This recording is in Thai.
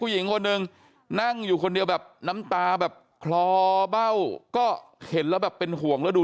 ผู้หญิงคนหนึ่งนั่งอยู่คนเดียวแบบน้ำตาแบบคลอเบ้าก็เห็นแล้วแบบเป็นห่วงแล้วดู